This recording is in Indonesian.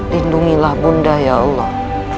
lindungilah bunda ya allah